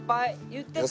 言ってた。